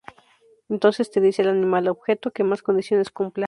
Entonces te dice el animal, objeto... que más condiciones cumpla.